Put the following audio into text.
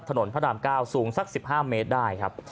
พระราม๙สูงสัก๑๕เมตรได้ครับ